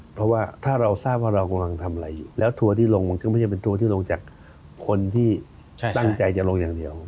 เพราะว่าถ้าเราทราบว่าเรากำลังทำอะไรอยู่แล้วทัวร์ที่ลงมันก็ไม่ใช่เป็นทัวร์ที่ลงจากคนที่ตั้งใจจะลงอย่างเดียว